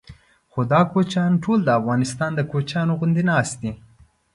خو دا کوچیان ټول د افغانستان د کوچیانو غوندې ناست دي.